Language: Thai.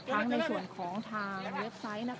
ในส่วนของทางเว็บไซต์